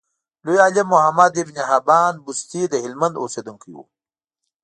لوی عالم محمد ابن حبان بستي دهلمند اوسیدونکی و.